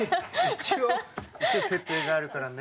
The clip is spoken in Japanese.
一応設定があるからね。